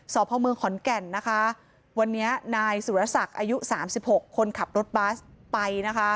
สอบภาวเมืองขอนแก่นนะคะวันนี้นายสุรสักอายุสามสิบหกคนขับรถบัสไปนะคะ